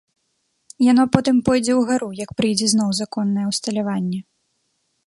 Яно потым пойдзе ўгару, як прыйдзе зноў законнае ўсталяванне.